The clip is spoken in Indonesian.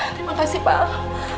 terima kasih pak al